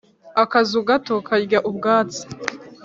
Akazu gato karya ubwatsi.